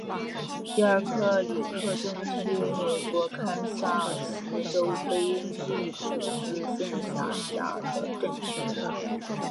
迪尔克里克镇区为美国堪萨斯州菲利普斯县辖下的镇区。